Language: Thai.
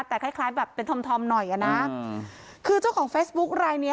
แต่คล้ายคล้ายแบบเป็นธอมทอมหน่อยอ่ะนะคือเจ้าของเฟซบุ๊ครายเนี้ย